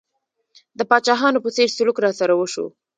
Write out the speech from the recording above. د پاچاهانو په څېر سلوک راسره وشو.